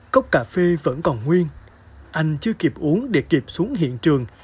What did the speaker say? cốc cà phê vẫn còn nguyên anh chưa kịp uống để kịp xuống hiện trường